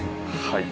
はい。